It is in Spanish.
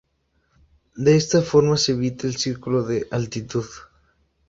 De esta forma se evita el círculo de altitud.